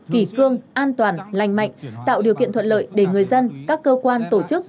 kỳ cương an toàn lành mạnh tạo điều kiện thuận lợi để người dân các cơ quan tổ chức